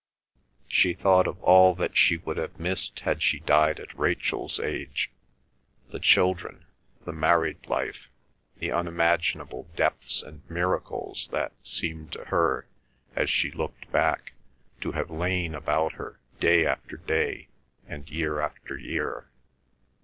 She thought of all that she would have missed had she died at Rachel's age, the children, the married life, the unimaginable depths and miracles that seemed to her, as she looked back, to have lain about her, day after day, and year after year.